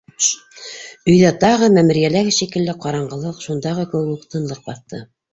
Өйҙө тағы мәмерйәләге шикелле ҡараңғылыҡ, шундағы кеүек үк тынлыҡ баҫты.